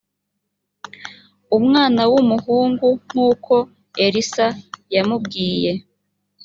umwana w umuhungu nk uko elisa yamubwiye